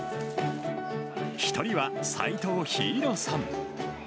１人は、齋藤陽彩さん。